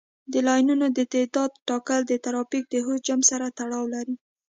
د لاینونو د تعداد ټاکل د ترافیک د حجم سره تړاو لري